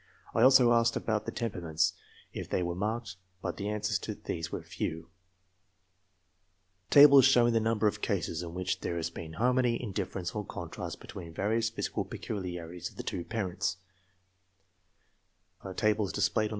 I also asked about the temperaments, if they were marked, but the answers to these were few. Tables shomng the number of cases in which there has been harmony^ indifference, or contrast, between various physical peculiarities of the two parents TEMPERAMENTS OF PARENTS, (h = hannony, c = contrast).